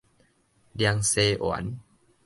涼沙丸